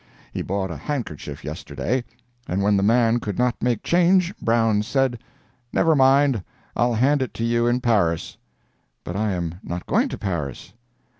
He bought a handkerchief yesterday, and when the man could not make change, Brown said: "Never mind, I'll hand it to you in Paris." "But I am not going to Paris."